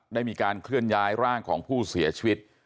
ได้มีการเคลื่อนย้ายร่างของผู้เสียชีวิต